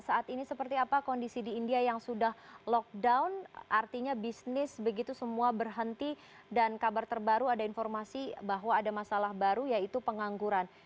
saat ini seperti apa kondisi di india yang sudah lockdown artinya bisnis begitu semua berhenti dan kabar terbaru ada informasi bahwa ada masalah baru yaitu pengangguran